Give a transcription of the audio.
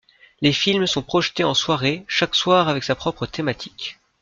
Les films sont projetés en soirée, chaque soir avec sa propre thématique.